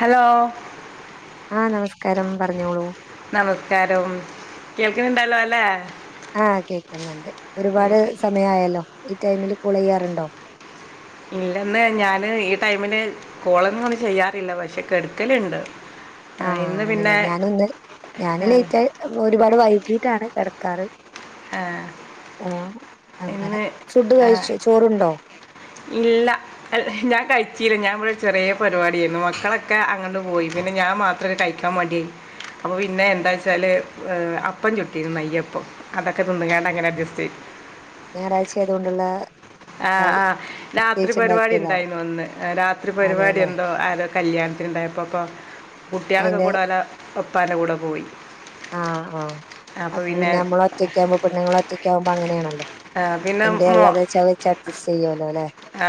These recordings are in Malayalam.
ഹലോ. ആ നമസ്കാരം പറഞ്ഞോളൂ നമസ്കാരം കേൾക്കുന്നുണ്ടല്ലോ അല്ലേ ആ കേക്കുന്നുണ്ട് ഒരുപാട് കേക്ക്- സമയം ആയാല്ലോ ഈ ടൈമില് കോള് ചെയ്യാറുണ്ടോ ഇല്ലന്ന് ഞാന് ഈ ടൈമില് കോളൊന്നും ചെയ്യാറില്ല പക്ഷെ കെട്ക്കലുണ്ട് ആ ആണ് ലേ ഞാനും ഇന്ന് ആ, ഞാനും ലേയിറ്റയി ഒരുപാട് വൈ ക്കീട്ടാണ് കിടക്കാറ് ആ, ആ അങ്ങനെ ഇന്ന് ഫുഡ് ആ, കഴിച്ചൊ ചോറുണ്ടോ ഇല്ല ഞാൻ കഴിച്ചീല്ല ഞാൻ ഇവിടെ ചെറിയ പരിപാടിയായിരുന്നു മക്കളൊക്കെ അങ്ങട് പോയി പിന്നെ ഞാൻ മാത്രം കഴിക്കാൻ മടിയായി അപ്പ പിന്നെ എന്താച്ചാല് അപ്പം ചുട്ടിയിരുന്നു നെയ്യപ്പം അതൊക്കെ തിന്നുകാണ്ട് അങ്ങനെ അഡ്ജസ്റ്റ് ചെയ്തു ഞായറാഴ്ച ആയതു കൊണ്ടുള്ള ആഹ് ആഹ് രാത്രി പരിപാടി ഇണ്ടാക്കിയതാവും. ഉണ്ടായിരുന്നു ഇന്ന് രാത്രി പരിപാടി അതേല്ലേ. എന്തോ ആരോ കല്യാണത്തിനുണ്ടായപ്പപ്പൊ കുട്ടികളൊക്കെ അയിന്റെ കൂടൊ ലൊപ്പം പ്പാൻ്റെ കൂടെ പോയി ആഹ് ആഹ് അപ്പൊ പിന്നെ നമ്മള് ഒറ്റക്കാവുമ്പോ പെണ്ണുങ്ങള് ഒറ്റ ക്ക്യാവുമ്പൊ അങ്ങെനേണല്ലോ ആ പിന്നെ മോ അഡ്ജസ്റ്റ് ചെയ്യോല്ലോ ല്ലേ. ആ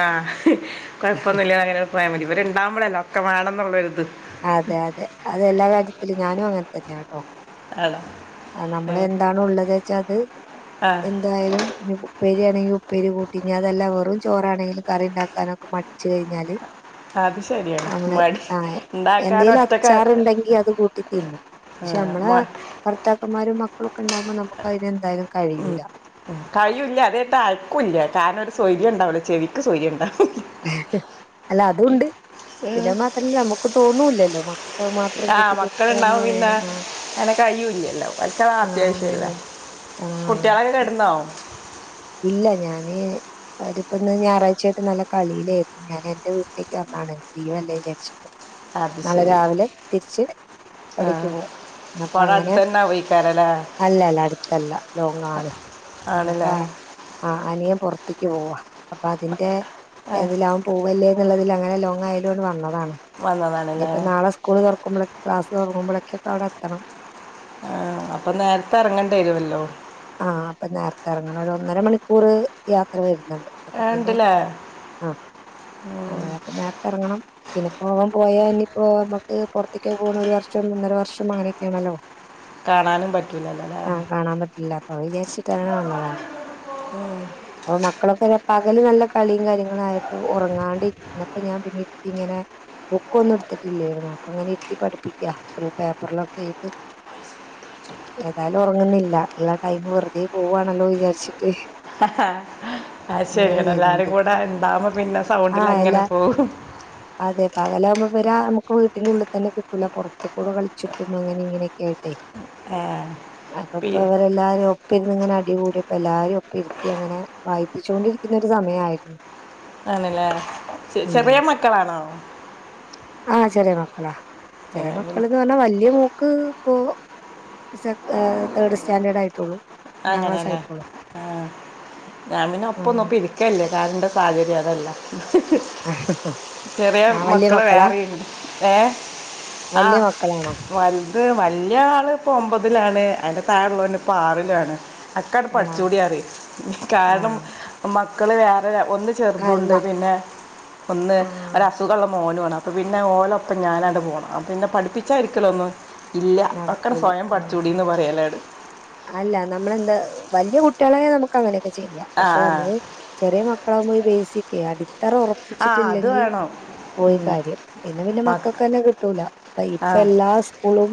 കൊഴപ്പൊന്നില്ല അങ്ങനെ പോയാ മതി ഇവടെ ഉണ്ടാവുമ്പോഴല്ല ഒക്കെ മാണംന്നുള്ള ഒര് അതെ അതെ അതെല്ലാ ക ത്തില് ഞാനും അങ്ങനെ തന്നെയാ ട്ടോ ആണോ ആ ഏ, നമ്മള് എന്തണ് ഉള്ളത് വെച്ചാ അത് ആ എന്തായാലും ഉപ്പേരിയാണെങ്കിൽ ഉ പ്പേരി കൂട്ടി ഇഞ്ഞതല്ല വെറും ചോറാണെങ്കിലും കറി ഉണ്ടാക്കാനൊക്കെ മടിച്ചു കഴിഞ്ഞാല് അത് ശരിയാണ് നമ്മള് മടി ആ ഉണ്ടാക്കാൻ എന്തേലും ഒറ്റക്ക അച്ചാറുണ്ടെങ്കി അത് കൂട്ടി തിന്നും ആ, പക്ഷെ നമ്മളെ മ- ഭർത്താക്കന്മാരും മ മക്കളൊക്കെ ഇണ്ടാവുമ്പോ നമുക്കയിന് എന്തായാലും ഉം കഴിയൂല കയ്യൂല്ല അതായിട്ട് അയ്ക്കൂല്ല്യ കാരണം ഒര് സ്വൈ ര്യണ്ടാവില്ല ചെവിക്ക് സ്വൈര്യ ഇണ്ടാവു അല്ല അതും ഉണ്ട് പിന്നത് മാത്രല്ല നമു തോന്നൂല്ലല്ലോ മക്ക ആ മക്കളുണ്ടാവും പിന്നെ അങ്ങനെ കഴിയൂല്ലല്ലോ മക്കള ആ അത്യാവശ്യല്ലേ അങ്ങനെണ്ട് ആ കുട്ടികളൊക്കെ കെടന്നോ ഇല്ല ഞാന് അവരിപ്പൊ ഇന്ന് ഞായറാഴ്ചായിട്ട് നല്ല കളിയിലായിരുന്നു ഞാൻ എന്റെ വീട്ടിലേക്ക് വന്നാണ് ലീവില്ലേന്ന് വിചാരിച്ചി അത് നാളെ ശരി രാവിലെ തിരിച്ച് ആ അവിടേക്ക് പോവും അപ്പ അപ്പോൾ അവിടെ അടുത്ത് അങ്ങനെ തന്നെ പോയിക്കാരല്ലേ അല്ലല്ല അടുത്തല്ല ലോങ്ങാണ് ആണല്ലേ [unintelligible] ആ അനിയൻ പുറത്ത്ക്ക് പോവാ അപ്പൊ അതിന്റെ ആ എതിലവൻ പൂവല്ലേ എന്നുള്ളതിലാണ് ലോങ് ആയതോണ്ട് വന്ന ഇനി വന്നതാണല്ലേ ഇപ്പോ നാളെ സ്കൂൾ തുറക്കുമ്പോളേ ക്ലാസ് തുറങ്ങുമ്പോഴൊക്കെ അവിടെ എത്തണം ആ അപ്പൊ നേരത്തെ ഇറങ്ങേണ്ടി വരുമല്ലോ ആ അപ്പൊ നേരത്തെ ഇറങ്ങണം ഒന്നര മണിക്കൂർ യാത്ര വരുന്നു അപ്പൊ പിന്നെ ഉണ്ടല്ലേ ആ അങ്ങനെ അപ്പ നേരത്തെ ഇറങ്ങണം പിന്നെപ്പോ അവൻ പോയാ ഇനിയിപ്പോ നമ്മുക്ക് പുറത്തേക്ക് പോകണ ഒരു വർഷം ഒന്നര വർഷം അങ്ങനെയൊക്കെയാണല്ലോ കാണാനും പറ്റൂല്ലലേ ആ കാണാൻ പറ്റില്ല അപ്പൊ വിചാരിച്ചിട്ട് അങ്ങനെ വന്നതാണ് മക്കളൊക്കെ പകല് നല്ല കളിയും കാര്യങ്ങളും ആയപ്പോ ഉറങ്ങാണ്ട്രിക്ക ഇപ്പോ ഞാൻ പിന്നെ ഇരുത്തി ഇങ്ങനെ ബുക്കൊന്നും എടുത്തിട്ടില്ലായിരുന്നു അപ്പ അങ്ങനെ ഇരുത്തി പഠിപ്പിക്ക പേപ്പറിലൊക്കെ ആയിട്ട് ഏതായാലും ഉറങ്ങുന്നില്ല ടൈം വെറുതെ പോകുവാണല്ലോ വിചാരിച്ച് ആ അങ്ങനെ ശരിയാണ് എല്ലാരും ചെയ്തോണ്ട് കൂടെ ഇണ്ടാവ്പോ പിന്നെ സൗണ്ടിൽ ആഹ് അല്ല അങ്ങനെ പോവും അതെ പകലാകുമ്പോ ഇവരാ നമുക്ക് വീട്ടിനുള്ളിൽ തന്നെ കിട്ടൂല്ല പുറത്ത കൂടെ കളിച്ചിട്ടും അങ്ങനെ ഇങ്ങനെയൊക്കെ ആയിട്ടെ ആ അപ്പപ്പ പി- അവരെല്ലാര [unintelligible] ഇപ്പ ഇുന്ന ഇങ്ങനെ അടിികൂടിിയപ്പ എല്ലാരും ഒപ്പ ഇരുത്തി അങ്ങനെ വായിപ്പിച്ചോണ്ടിരിക്കുന്ന ഒരു സമയമായിരുന്നു ആണല്ലേ ചെ ഉം ചെറിയ മക്കളാണോ അ [unintelligible] ഏ, ചെല ഉം, മക്കൾ എന്ന് പറഞ്ഞാ വലിയ മോക്ക് ഇപ്പോ സെക്കൊ തേർഡ് സ്റ്റാൻഡേഡ് ആയി തുളൂ അങ്ങനെല്ലേ ആ ഞാൻ പിന്നെ ഒപ്പന്നോപ്പ അങ്ങനെ ഇരിക്കല്ലേ എൻ്റെ സാഹചര്യം അതല്ല ചെറിയ ആ വല്യ മക്കള് മക്കളാ വേറീണ്ട് ഏ ആ വല്യ മക്കളാണോ വലത് വല്യ ആള് ഇപ്പോ ഒമ്പതിലാണ്. അതിന്റെ താഴെ ഉള്ളോന് പ്പൊ ആറിലുണ് അ അക്കാട് ആഹ് പഠിച്ചുടിയാറി കാരണം ആഹ് മ മക്കൾ വേറെ ഒന്ന് അല്ല ചെറുതുണ്ട് പിന്നെ ഒന്ന് ആഹ് ഒരസുഖള്ള ഓന് വേണം അപ്പ പിന്നെ ഓലൊപ്പം ഞാനാണ്ട് പോണം പിന്നെ പഠിപ്പിച്ചായിരിക്കല്ലോന്നും ഇല്ല ഒക്കെണ്ട് നടക്കൂല സ്വയം ആഹ് പഠിച്ചൂടിന്ന് പറയലണ് അല്ല നമ്മളെന്താ വലിയ കുട്ടിയളെ നമക്ക് അങ്ങനെ ചെയ്യാം ആ പക്ഷെ നമ്മള് ചെറിയ മക്കളാകുമ്പോ ബേസിക് അടി അത്ര ആ ആ അത് ഉറപ്പിച്ചിട്ടില്ലെങ്കി വേണം പോയി ഉം. കാര്യം പിന്നെ പിന്നെ മക് മക്കൾക്കന്നെ കിട്ടൂല അപ്പ ഇപ്പ ആ എല്ലാ സ്കൂളും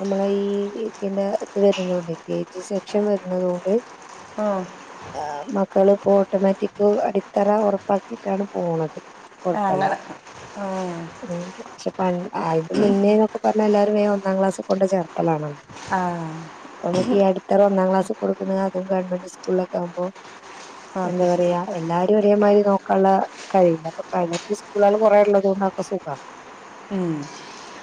നമ്മൾ ഈ ഇത് പിന്നെ വര്ന്നോണ്ടേ കെ ജി സെക്ഷൻ വരുന്നത് കൊണ്ട് ഉം. ആ മക്കള് അപ്പൊ ഓട്ടോമാറ്റിക് അടിത്തറ ഉറപ്പാക്കിയിട്ടാണ് പോണത് ആ, കൊഴപ്പല്ല അങ്ങനെ ഉം. ഉം ക്ഷെ പണി അയ്ന്റെമുന്നേന്നൊക്കെ പറഞ്ഞാ ല്ലാരും വേഗം പത്താം ക്ലാസ്സ്‌ കൊണ്ട് ചേർ അല്ലാണോ ആ പ്പമ്ക്ക് ഈ അടിത്തറ ഒന്നാം ക്ലാസ്സു കൊടുക്കുന്ന അതും ഗവൺമെന്റ് സ് സ്കൂളൊക്കെ ആകുമ്പം അത് എന്താ ശരി പറയാ എല്ലാരും ഒരേമാരി നോക്കാൻള്ള കഴിവില്ലാ അപ്പയ്ന് സ്കൂളാള് കൊറേള്ളത്കൊണ്ടാപ്പ സുഖാ ഉം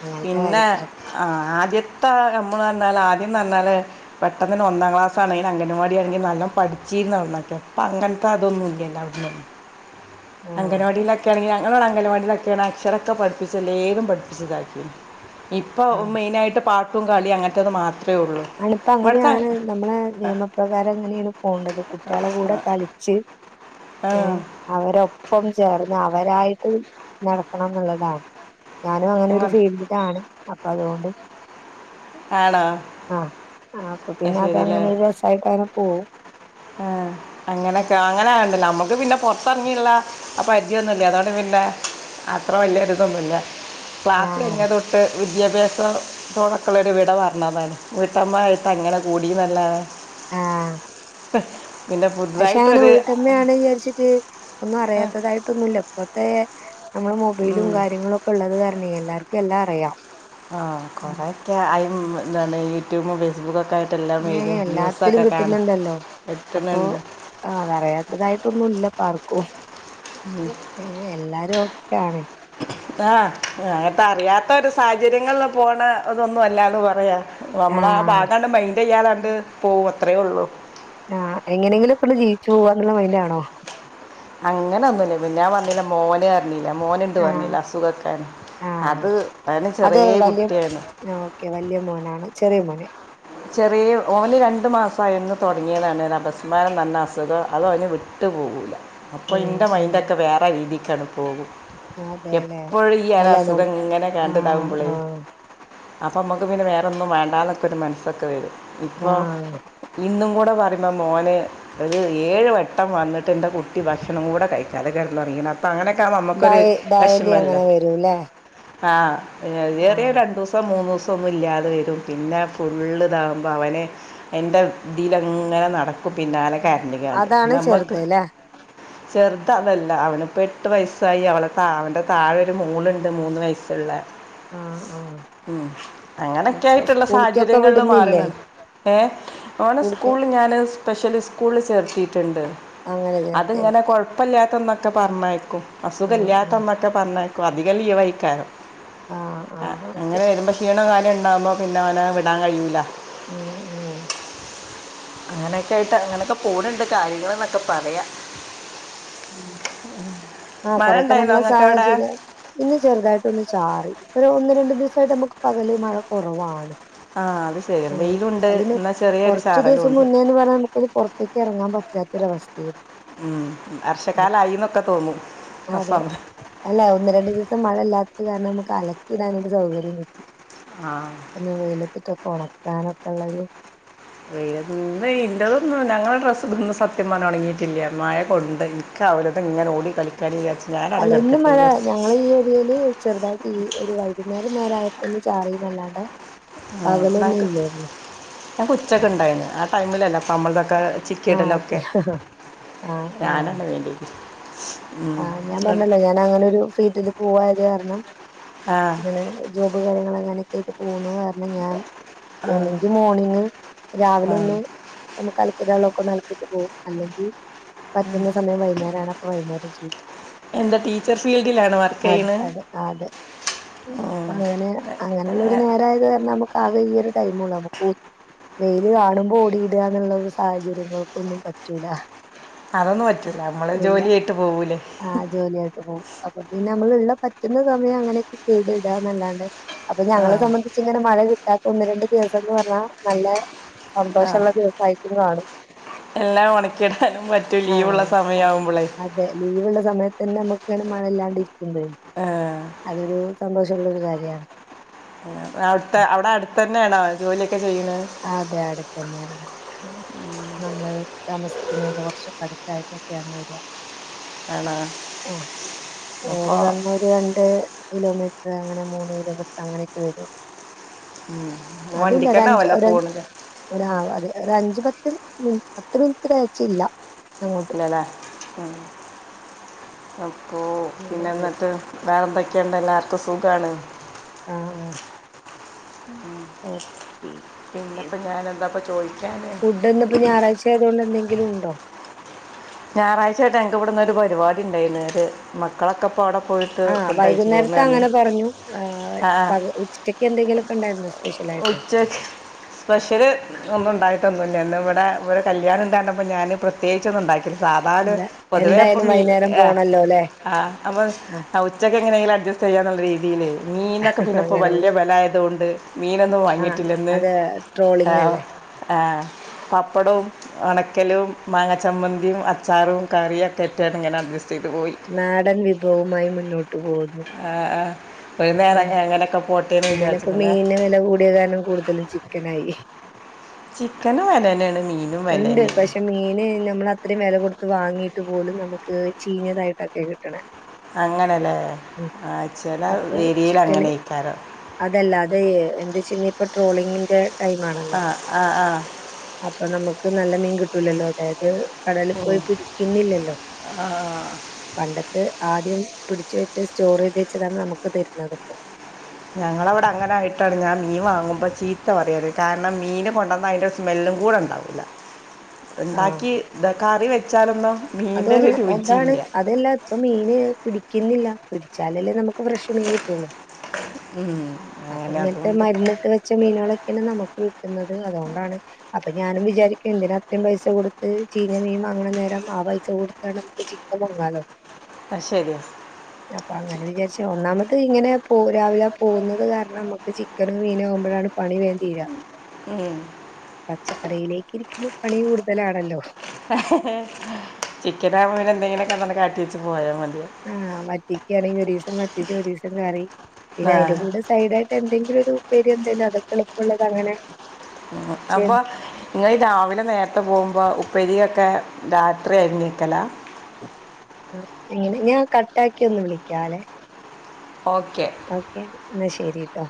അങ്ങനത്തെ പിന്നെ കാര്യത്തിലൊക്കെ ആ ആദ്യം ഇപ്പ നമ്മള്റഞ്ഞാല് ആദ്യന്ന്റഞ്ഞാല് പെട്ടെന്ന്ന്നെ ഒന്നാം ക്ലാസ്സാണേലു അങ്കൻവാടി ആണെങ്കിലു നല്ലൊ പഠിച്ചീര്ന്ന് അവ്ട്ന്നൊക്കെ ഇപ്പങ്ങനത്തെ അതൊന്നുല്ല്യല്ലോ അവ്ട്ന്ന് ആഹ് അങ്കനവാടീലൊക്കെആണെങ്കി ങ്ങ്ള അങ്കൻവാടയിലൊക്കെയാണ് അക്ഷരൊക്കെ പഠിപ്പിച്ചല്ലേതും പഠിപ്പിച്ചിതാക്കി ഇപ്പൊ ആഹ് മെയിനായിട്ട് പാട് ട്ടും കളി അങ്ങൻത്തേത് മാത് ആളിപ്പ അങ്ങനെയാണ് നമ്മളെ നിയമപ്രകാരം അങ്ങനെയാണ് പോണ്ടത് കുട്ടികളെ കൂടെ കളിച്ച് ആ ഏ അവരൊപ്പം ചേർന്ന് അവരായിട്ട് നടക്കണംന്നുള്ളതാണ് ഞാനും അങ്ങനൊരു അങ്ങനെ ഫീൽഡിലാണ് അപ്പൊ അതുകൊണ്ട് ആണോ ആഹ് ആ അപ്പൊ അത് പിന്നെ ശരി അല്ലേ അതങ്ങനെ ഒരു രസമായി കാരം പോ ആ അങ്ങനൊക്കെആ അങ്ങനേണ്ട് നമ്മുക്ക് പിന്നെ പൊറത്തെറങ്ങീള്ള പരിചിയൊന്നുംല്ലേ അതോണ്ട് പിന്നെ അത്ര വല്യൊരിതൊന്നുല്ല ക്ലാസ്സ് ആഹ് കഴിഞ്ഞതൊട്ട് വീ വിദ്യാഭ്യാസ ത്തോടൊക്കെള്ളൊരു വിട പറഞ്ഞാതാണ് വീട്ടമ്മായിട്ട് അങ്ങനെ കൂടിയതല്ലാതെ ആഹ് പ് അഷേഅത് വീട്ടമ്മയാണ്ന്ന് വിചാരിച്ചിട്ട് ഒന്നും അറിയാത്തതായിട്ടൊന്നൂല്ല ഇപ്പത്തെ നമ്മള് മൊബൈലും ഉം, കാര്യങ്ങളുഒക്കെ ഒള്ളത് കാരണേ എല്ലാര് ക്കെല്ലാ അറിയാം ആഹ് കൊറേക്കെ ആയ് ഉംമ് ന്താണ് യൂട്യൂബും ഫേസ്ബുക്കൊക്കെ ആയിട്ട് എല്ലാം ഏ വരും എല്ലാത്തിലും ന്യൂസൊക്കെ കാണും കിട്ടുന്നുണ്ടല്ലോ അപ്പൊ എത്തുന്നുണ്ട് അതറിയാത്തതായിട്ടൊന്നൂല്ല പാർക്കോയ് എ ഏ എല്ലാരു ക്കആണ് ആഹ് അങ്ങത്തെ അറിയാത്ത ഒരു സാഹചര്യങ്ങൾല് പോണ അതൊന്നും അല്ലാന്ന് പറയാ നമ്മള ആ ആഹ് ഭാഗാട് മൈന്റെയ്യാത ണ്ട് പോകും അത്രയേ ഉള്ളൂ ആഹ് എങ്ങനെങ്കിലും പ്പളു ജീവിച്ചു പോവാന്ന്ള്ള മൈന്റാ ആണോ അങ്ങന ഒന്നു ല്ല പിന്നാ പർഞ്ഞില്ലെ മോന് അർഞ്ഞീല മോന്ണ്ട് ആഹ് പർഞ്ഞില അസുഖക്കൻ ആഹ് അത് അന് അത് ചെറിയേ വലിയ കുട്ട്യേണ് ആ ഓക്കെ വല്യ മോനാണ് ചെറിയ മോൻ ചെറിയ ഓല് രണ്ട് മാസായിന്ന് തൊട്ങ്ങിയതാണ് അഭസ്മാരം ന്നർഞ്ഞ അസുഖോ അതോന് അതിന് വ്ട്ടു പോവൂല അപ്പൊ ഉം ഇന്റെ ഉം മൈന്റൊക്കെ വേറെ രീതി ക്കട് പോകും അതെല്ലേ എപ്പോഴു ഈ അ അല്ല അസുഖ നം ങ്ങന ആ കണ്ട് താവുമ്പൊളേ ആ അപ്പൊ അമ്മക്ക് പിന്നെ വേറൊന്നും വേണ്ടാന്നൊക്കൊരു മൻസ് ക്ക വെരു ആ ഇപ്പൊ ഇന്നും കൂട് അ പറിമ്പോ മോന് ഒരു ഏഴ് വട്ടം വന്ന്ട്ട് ൻ്റെ കുട്ടി ഭക്ഷണം കൂടെ കഴിക്കാതെ കെട്ന്നൊർങ്ങീണ് അ ഡയ ഡയലി അങ്ങനെ വരൂ ല്ലേ ആ ഏറ്യാ രണ്ടൂസം മൂന്നൂസ് ഒന്നുല്ലാതെ വരും പിന്നെ ഫു ള്ള്താകുമ്പോ അവന് എൻ്റെ തിലങ്ങനെ നടക് ക്കു പിന്നാലെ ആ, കരഞ്ഞങ്ങാണ്ട് അതാണ് നമ്മക്ക് ചെറുത് ല്ലേ ചെർത് അതല്ല അവന്പ്പോ എട്ടു വയസ്സായി അവളെ താ അവന്റെ താഴൊരു മോള്ണ്ട് മൂന്ന് വയസ്സുള്ള ആ ആ ഉം അപ്പൊ അങ്ങനെക്കെയായിട്ട്ള്ള സാഹചര്യ സ്കൂളിക്കൊക്കെ ങ്ങള്ള് വിടുന്നില്ലേ മാറിണ് ഏ ഓനെ സ്കൂളിക്ക് സ്കൂൾ ഞാന് സ്പെഷ്ല് സ്കൂള്ള് ചേർത്തീട്ട് ണ്ട് അങ്ങനെ അത് ചേർത്തി ങ്ങനെ ഓക്കെ കൊഴ്പ്പല്ലാതെ ന്ന റ്റ പർഞ്ഞേക്കു ഉം ഉം അസുഖല്ലാത്തന്നൊക്കെ പർഞ്ഞേ അതിക ലീവയ്ക്കാരം ആ ആ അ ഓക്കെ അങ്ങനെ വര്മ്പോ ക്ഷീണേ കാര്യം ക്കെണ്ടാമ്പൊ പിന്നെ ഓനാ വ് ടാങ്ങയ്യൂല ഉം ഉം അങ്ങനെക്കെ ആയിട്ട് അങ്ങനൊക്ക പോണ് ണ്ട് കാര്യങ്ങള് ന്നൊക്കേ പറയാ ആ കൊറേക്ക ഉണ്ടായിരുന്നോ നമ്മള നിങ്ങൾക്ക് അവിടെ സാഹചര്യം ഇന്ന് ചെർതായ്ട്ടൊ ഒന്ന് ചാറി ഒരു ഒന്ന് രണ്ടു ദിവസായ്ട്ട് നമക്ക് പകല് മഴ കൊറവാണ് ആ അത് ശരി ആ വെയിലുണ്ട് അതിന് എന്നാൽ ചെറിയൊരു കൊറച്ചു ചാറലും ദിവസം ഉണ്ട് മുന്നേന്ന് പറഞ്ഞാ നമുക്കത് പൊറത്തേക്ക് എറങ്ങാൻ പറ്റാത്ത ഈ ഒരവസ്ഥയെ ഉം വർഷക്കാലമായി എന്നൊക്കെ തോന്നും ആ അതെ സമയം അല്ല ഒന്ന് രണ്ട ദിവസം മഴ ഇല്ലാത്തത് കാരണം നമുക്ക് അലക്കി ഇടാനരു സൗകര്യം കിട്ടി ആ എന്നാ വെയില [unintelligible] കൊണത്താനൊക്കെ ഉള്ളൊരു ഇന്ന് ഇന്റതൊന്നും ഞങ്ങളുടെ ഡ്രസ്സ് ഇതൊന്നും സത്യം പറഞ്ഞാ ഒണങ്ങീട്ടില്ല മഴ കൊണ്ട് ഇനിക്ക് അവരതും ഇങ്ങനെ ഓടി കളിക്കാന് വിചാരിച്ചിട്ട് അല്ല ഇന്ന് മഴ ഞങ്ങള ഈ ഏരിയൽ ചെറുതായിട്ട് ഈ ഒരു വൈകുന്നേരം നേരയ ഒന്ന് ചാറീന്നല്ലാണ്ട് അകലൊന്നുല്ലല്ലേ ഞാൻകൊച്ചൊക്കെ ഉണ്ടായിന്നു ആടൈമിലല്ല പ്പമ്മൾത് ഒ [unintelligible] ആഹ് ചിക്കീടല്ലൊക്കെ അതെ ഞാനന്ന വേണ്ടിട്ട് [unintelligible] ആഹ ഞാൻ പറഞ്ഞല്ലോ ഞാൻ അങ്ങനെ ഒരു ഫീൽഡില് പോയത് കാരണം ആ ഇങ്ങനെ ജോബ് കാര്യങ്ങൾ അങ്ങനെ ഇത് പോ അത് കാരണംഞാൻ ഒന്നുങ്കി മോർണിങ് ആ. രാവിലെ ഒന്ന് ഒന്ന് കലക്കി ഇടാലോ കൊണ്ടാക്കീട്ട് പോവും അല്ലെങ്കി പറ്റുന്ന സമയം വൈന്നേരാണ് അപ്പ വൈന്നേരം എന്താ ടീച്ചർ ഫീൽഡിലാണ് വർക്ക് അതെ ചെയ്യണത് അതെ അതെ അപ്പൊ അങ്ങനെ അങ്ങനെയുള്ള ഒരു നേരായത് കാരണം നമുക്ക് ആകെ ഈ ഒരു ടൈമെ ഉള്ളു നമുക്ക് വെയിൽ കാണുമ്പോ ഓടിയിടുകാന്നൊള്ള സാഹചര്യങ്ങൾക്കൊന്നും പറ്റൂല അതൊന്നും പറ്റൂല നമ്മള് ജോലിയായിട്ട് പോവൂലെ ആഹ ജോലിയായിട്ട് പോകും അപ്പൊ പിന്നെ നമ്മള്ള്ള പിന്നെന്ന് പറഞ്ഞ് കഴിഞ്ഞാ അങ്ങനെയൊക്കെ ചെയ്തിടന്നല്ലാണ്ട് അപ്പൊ ആ ഞങ്ങളെ സംബന്ധിച്ച് ഇങ്ങനെ മഴ കിട്ടാ ഒന്ന് രണ്ട് ദിവസംന്ന് പറഞ്ഞാ നല്ല ആഹ് സന്തോഷമുള്ള ദിവസമായിട്ടും കാണും എല്ലാം ഉണക്കിടാനും മറ്റും ലീവ് ഉള്ള സമയവുമ്പോളെ നല്ല സമയത്ത് തന്നെ നമക്ക്ങ്ങനെ മഴല്ലാണ്ടരിക്കും [unintelligible] അതൊരു സന്തോഷമുള്ളൊരു കാര്യമാണ് അവിടുത്തെ അവിടെ അടുത്തന്നെയാണോ ജോലി അതെ അടെ തന്നെയാണ് നമ്മള് താമസിക്കുന്നതിന്റെ കൊറച്ച് അടുത്തായിട്ടൊക്കെയാണ് വരിക ആണോ ആ ഏറി അപ്പോൾ വന്നാൽ ഒരു രണ്ട് കിലോമീറ്റർ അപ്പൊ അങ്ങനെ മൂന്ന് ഇടവിട്ട് അങ്ങനെയൊക്കെ വരുവൊള്ളൂ ഉം വണ്ടിക്ക് തന്നെ ആവല്ലോ അപ്പോ ഒ അതെ ഒരു അഞ്ച പത്ത് മി അത്ര ഓന്ക്ക് തെയച്ചില്ല ഇല്ലല്ലേ ആ മ്മ് പിന്നെ അങ്ങനെ പോയി. എന്നിട്ട് വേറെ എന്തൊക്കെയുണ്ട് എല്ലാർക്കും സുഖം സുഖണ് ആ ആ ഓക്കെ പിന്നെന്താ പ്പോ ഞാനെന്താപ്പോ ചോദിക്കാന് ഫുഡ് ഇന്നിപ്പോ ഞായറാഴ്ച ആയതുകൊണ്ട് എന്തെങ്കിലും ഉണ്ടോ ഞായറാഴ്ചായിട്ട് ഞങ്ങൾക്ക് ഇവിടെ ഇന്നൊരു ഒരു പരിപാടി ഉണ്ടായീന് ഒര് മക്കളൊക്കെ ഇപ്പോൾ അവിടെ പോയിട്ട് ആ ഫുഡ് കഴിച്ച് പോകുന്നു വൈകുന്നേരത്തെ അങ്ങനെ പറഞ്ഞു ആ പക ഉച്ചക്ക് എന്തെങ്കിലുമൊക്കെ ഉണ്ടായിരുന്നോ സ്പെഷ്യൽ ആയിട്ട് ഉച്ച സ്പെഷ്യൽ ഒന്നും ഉണ്ടായി ട്ടൊന്നുല്ല്യാ.. ഇന്ന് ഇവടെ ഇവടെര് കല്യാണം ഉണ്ട് എന്ന് പറഞ്ഞപ്പം ഞാൻ പ്രേത്യേകിച്ച് ഒന്നും ഉണ്ടാക്കീല്ല. സാധാ ല് അല്ല പൊതുവേ ഇപ്പം എന്തായാലും മീൻ വൈന്നേരം ആ പോണല്ലോല്ലേ ആ അപ്പൊ ആഹ് ഉച്ചക്ക് എങ്ങനെയെങ്കിലും അഡ്ജസ്റ്റ് ചെയ്യാന്നുള്ള രീതിയിൽ മീൻനൊക്കെ പിന്നെ ഇപ്പോ അങ്ങനെ വല്യ പോയി വെല ആയതോണ്ട്. മീനൊന്നും ആഹ് വാങ്ങിയിട്ടില്ല ഇന്ന്.. അത് ട്രോളിംഗ് ആഹ് അല്ലേ ആ പപ്പടും ഒണക്കലും മാങ്ങ ചമ്മന്തിം അച്ചാറും കറിയും ഒക്കെ ആയിട്ട് ഇങ്ങനെ അഡ്ജസ് നാടൻ വിഭവുമായി മുന്നോട്ടു പോകുന്നു. ആ, ആ. ഒരു നേരം ഉം അങ്ങ എങ്ങനെക്കെ പോ ട്ടെന്ന് വിചാരിച്ച്.. ഞാനിപ്പോ പിന്നെ മീന് വില കൂടിയ കാരണം കൂടുതലും ചിക്കനായി. ചിക്കനും വെലന്നെണ്, മീനും ഉണ്ട് വെലന്നെ.... ത്ത് വാങ്ങീട്ട് പോലും നമുക്ക് ചീഞ്ഞതായിട്ടൊക്കെ കിട്ട്ണേ. അങ്ങനെല്ലേ മേ ആ ചില അപ്പൊ ഏരിയേല് ചിക്കന് അങ്ങനെയ്ക്കാരം. അതല്ല അത് എന്തച്ചിൻ ഇപ്പൊ ട്ട്റോളിംഗിന്റെ ടൈം ആണല്ലോ.. ആ ആ ആ അപ്പൊ നമ ക്ക് നല്ല മീൻ കിട്ടൂലല്ലോ... അതായത് കടലിൽ ഉം. പോയി പിടിക്കുന്നില്ലല്ലോ.. പണ്ടത്ത് ആദ്യം പിടിച്ച് വെച്ച് സ്റ്റോറ് ചെയ്ത് വെച്ചതാണ് നമുക്ക് തരുന്നത് ഇപ്പോ ഞങ്ങളവിടെ അങ്ങനെ ആയിട്ടാണ് ഞാൻ മീൻ വാങ്ങുമ്പോ ചീത്ത പറയാറ് കാരണം മീന് കൊണ്ടന്നാ അതിന്റെ സ്മെല്ലും കൂടെ ഉണ്ടാവൂല്ല ആഹ് ഇണ്ടാക്കി ഇതാ കറി വെ ച്ചാലൊന്നും അതൊന്ന് ഒ ഇതാണ് അതെല്ലാ ഇപ്പൊ മീന് പിടിക്കുന്നില്ല പിടിച്ചാലല്ലേ നമുക്ക് ഫ്രഷ് മീൻ കിട്ടൂള്ളു ഉം. അപ്പൊ അങ്ങനെ ഇങ്ങനത്തെ അതുകൊണ്ട് മരുന്നിട്ട് വെച്ച മീനുകളൊക്കെയാണ് നമുക്ക് കിട്ടുന്നത് അതുകൊണ്ടാണ് അത് ഞാനും വിചാരിക്കും എന്തിനാ അത്രയും പൈസ കൊടുത്ത് ചീഞ്ഞ മീൻ വാങ്ങണ നേരം ആ പൈ സ കൊടുത്താണ്ട് നമ്മക്ക് ചിക്കൻ വാങ്ങാല്ലോ ആ ശരിയാ അപ്പൊ അങ്ങനെ വിചാരിച്ചാ ഒന്നാമത് അത് ഇങ്ങനെ പോ രാവിലെ പോകുന്നത് കാരണം നമ്മക്ക് ചിക്കനോ മീനോ ആകുമ്പഴാണ് പണി വേം തീരാ പച്ചക്കറിയിലേക്ക് ഇരിക്കുമ്പോ പണി കൂടുതലാണല്ലോ ചിക്കൻ ആവുമ്പോ പിന്നെ എന്തെങ്കിലൊക്കെ [unintelligible] കാട്ടി വെച്ച് പോയാ മത് ആഹ് വറ്റിക്കയാണെങ്കിൽ ഒരു ദിവസം വറ്റിച്ച് ഒരു ദിവസം കറി പിന്നെ ആ അതിന്റെ കൂടെ സൈഡായിട്ട് എന്തെങ്കിലും ഒരു ഉപ്പേര് എന്തേലും അതൊക്കെ എളുപ്പള്ളത് അങ്ങനെ ചെയ്യും. അപ്പൊ ഇങ്ങള് രാവിലെ നേരത്തെ പോകുമ്പോ ഉപ്പ് പെരിയൊക്കെ രാത്രി അരിഞ്ഞേൽക്കല എങ്ങനെ ഞാൻ കട്ടാക്കി ഒന്ന് വിളിക്കല്ലെ ഓക്കെ ഓക്കെ ശരിട്ടാ